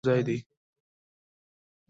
زړه د بدن د وینې پمپ کولو یوځای دی.